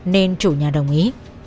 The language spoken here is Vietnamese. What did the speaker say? nên chủ nhà đồng ý